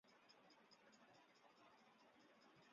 这一系列的游行示威事件及学生运动称为四月革命。